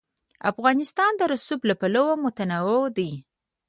افغانستان د رسوب له پلوه متنوع دی.